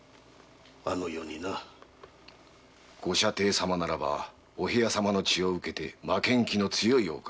ご舎弟様ならばお部屋様の血を受けて負けん気の強いお方。